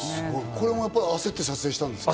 これも焦って撮影したんですか？